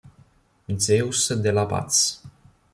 Zeus de la Paz